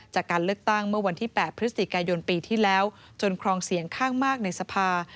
จากการเลือกตั้งเมื่อวันที่๘พฤศจิกายนปีที่แล้วจนครองเสียงข้างมากในสภา